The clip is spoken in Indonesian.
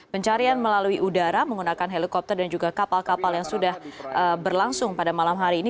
pencarian melalui udara menggunakan helikopter dan juga kapal kapal yang sudah berlangsung pada malam hari ini